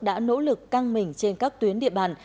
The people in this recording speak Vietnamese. đã nỗ lực căng mình trên các tuyến địa bàn